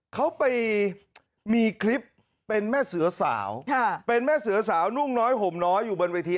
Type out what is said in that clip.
เขาไปมีคลิปเป็นแม่เสือสาวเป็นแม่เสือสาวนุ่งน้อยห่มน้อยอยู่บนเวที